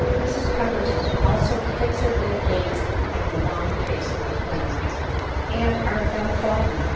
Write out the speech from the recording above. Mrs Pemberton also fixedly gazed on the wan face of Glenmurray :" And art thou fallen